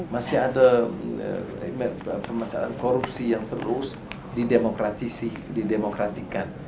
masih ada permasalahan korupsi yang terus didemokratikan